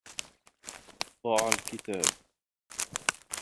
ضَاعَ الْكِتَابُ.